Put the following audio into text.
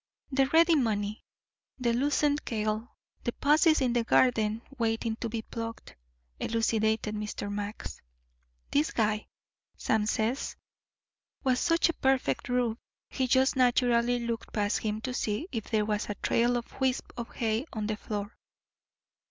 "The ready money, the loosened kale, the posies in the garden waiting to be plucked," elucidated Mr. Max. "This guy, Sam says, was such a perfect rube he just naturally looked past him to see if there was a trail of wisps of hay on the floor.